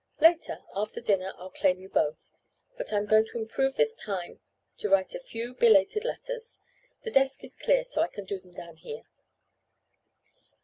Later, after dinner, I'll claim you both. But I'm going to improve this time to write a few belated letters. The desk is clear so I can do them down here."